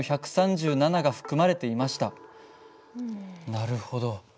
なるほど。